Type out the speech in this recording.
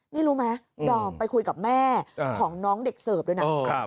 นี่รู้ไหมดอมไปคุยกับแม่ของน้องเด็กเสิร์ฟด้วยนะ